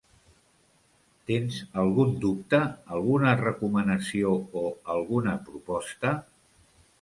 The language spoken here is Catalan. Tens algun dubte, alguna recomanació o alguna proposta?